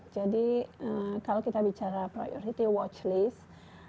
jadi kalau kita bicara priority watch list